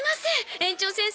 園長先生